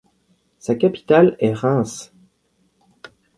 Sa capitale est Reims.